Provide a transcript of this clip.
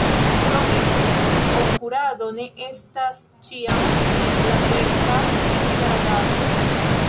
Krome, konkurado ne estas ĉiam simpla, rekta, interagado.